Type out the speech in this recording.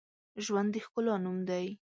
ژوند د ښکلا نوم دی